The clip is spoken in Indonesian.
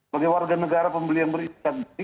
bagi warga negara pembeli yang beristikad